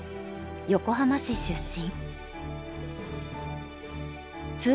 横浜市出身。